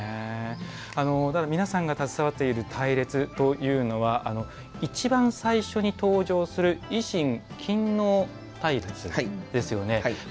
皆さんが携わっている隊列というのが一番最初に登場する維新勤王隊列ですよね。